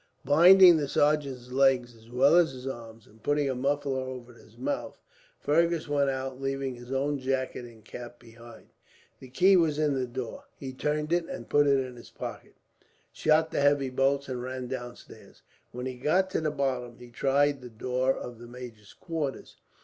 Binding the sergeant's legs as well as his arms, and putting a muffler over his mouth, Fergus went out, leaving his own jacket and cap behind him. The key was in the door. He turned it and put it in his pocket, shot the heavy bolts, and ran downstairs. When he got to the bottom, he tried the door of the major's quarters.